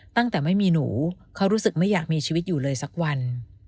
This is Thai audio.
ตั้งแต่ไม่มีหนูเขารู้สึกไม่อยากมีชีวิตอยู่เลยสักวัน